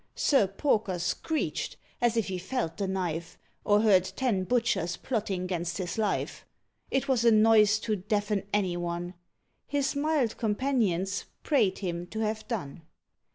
Sir Porker screeched, as if he felt the knife, Or heard ten butchers plotting 'gainst his life. It was a noise to deafen any one: His mild companions prayed him to have done.